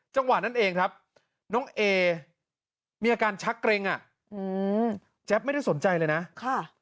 จังหวะนั้นเองครับน้องเอมีอาการชักเกร็งอ่ะอืมแจ๊บไม่ได้สนใจเลยนะค่ะ